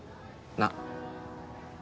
なっ？